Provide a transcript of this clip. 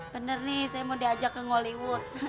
bener nih saya mau diajak ke hollywood